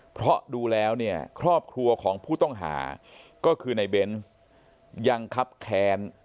เพราะดูแล้วเนี่ยครอบครัวของผู้ต้องหาก็คือในเบนส์ยังครับแค้น